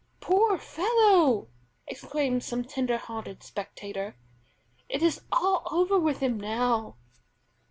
"Poor fellow!" exclaimed some tender hearted spectator; "it is all over with him now."